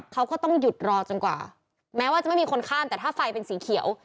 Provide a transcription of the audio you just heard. เขาก็ต้องหยุดรอจนกว่าแม้ว่าจะไม่มีคนข้ามแต่ถ้าไฟเป็นสีเขียว